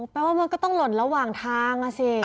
แปลว่ามันก็ต้องหล่นระหว่างทางอ่ะสิ